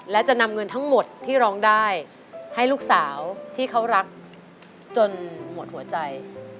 และจะนำเงินทั้งหมดที่ร้องได้ให้ลูกสาวที่เขารักจนหมดหัวใจ